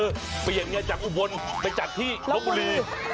เออไปอย่างนี้จากอุบลไปจัดที่ล้อมบุรี